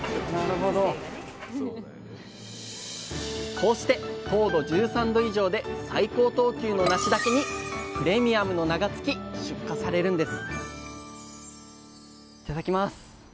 こうして糖度１３度以上で最高等級のなしだけにプレミアムの名が付き出荷されるんですいただきます。